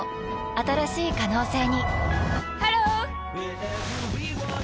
新しい可能性にハロー！